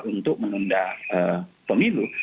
untuk menunda pemilu